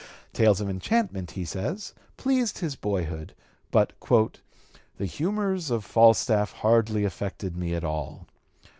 Tales of enchantment, he says, pleased his boyhood, but "the humors of Falstaff hardly affected me at all.